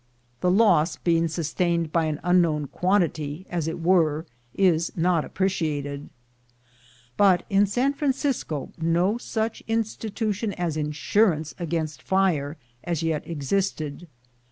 The loss, being sustained by an unknown quantity, as it were, is not appreciated; but in San Francisco no such institution as insurance against fire as yet existed.